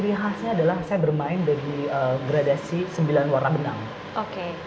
misalnya ia hanya menggunakan teknik jahitan benang bordir untuk menghasilkan wujud koleksi tren busana pengantin